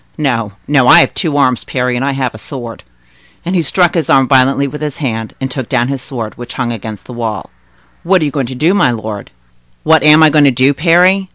No, no; I have two arms, Parry, and I have a sword." And he struck his arm violently with his hand, and took down his sword, which hung against the wall. "What are you going to do, my lord?" "What am I going to do, Parry?